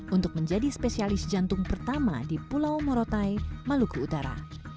untuk menjadi spesialis jantung pertama di pulau morotai maluku utara